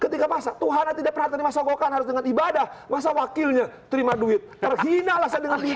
ketika masa tuhan yang tidak pernah terima sokokan harus dengan ibadah masa wakilnya terima duit terhina lah saya dengan duit itu